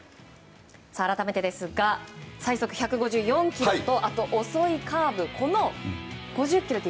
改めてですが、最速１５４キロとあと、遅いカーブというこの急速差５０キロ。